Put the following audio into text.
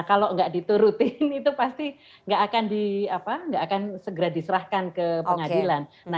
kalau nggak diturutin itu pasti nggak akan segera diserahkan ke pengadilan